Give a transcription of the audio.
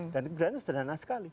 dan itu sederhana sekali